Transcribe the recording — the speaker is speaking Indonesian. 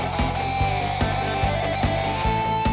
kau adalah kita